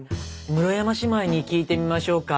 室山姉妹に聞いてみましょうか。